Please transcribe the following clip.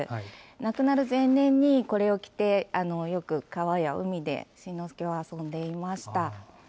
亡くなる前年にこれを着て、よく川や海で、慎之介は遊んでいました。